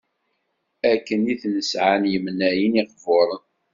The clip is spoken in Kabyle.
akken i ten-sεan yemnayen iqburen